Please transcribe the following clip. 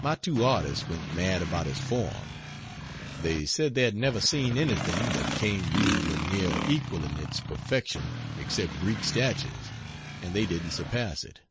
My two artists went mad about his form. They said they had never seen anything that came reasonably near equaling its perfection except Greek statues, and they didn't surpass it.